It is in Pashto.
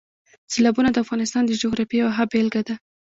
سیلابونه د افغانستان د جغرافیې یوه ښه بېلګه ده.